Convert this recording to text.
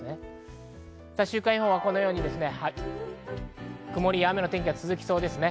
週間予報はこのように曇りや雨の天気が続きそうです。